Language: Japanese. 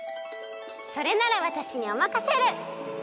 それならわたしにおまかシェル！